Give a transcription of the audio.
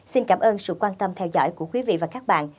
xin cảm ơn sự quan tâm theo dõi của quý vị và các bạn